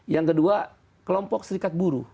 yang kedua kelompok serikat buruh